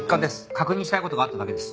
確認したい事があっただけです。